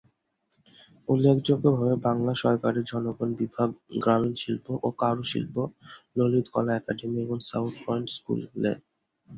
উল্লেখযোগ্য ভাবে, বাংলা সরকারের জনগণনা বিভাগ, গ্রামীণ শিল্প ও কারুশিল্প, ললিতকলা একাডেমি এবং সাউথ পয়েন্ট স্কুলে।